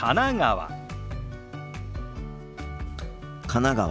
神奈川。